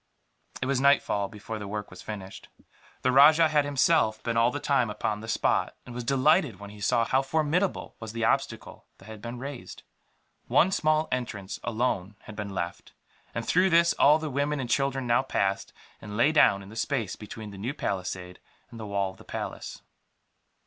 It was nightfall before the work was finished. The rajah had, himself, been all the time upon the spot; and was delighted when he saw how formidable was the obstacle that had been raised. One small entrance, alone, had been left; and through this all the women and children now passed, and lay down in the space between the new palisade and the wall of the palace.